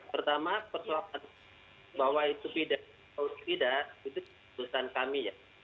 pertama persoalan bahwa itu pidana atau tidak itu urusan kami ya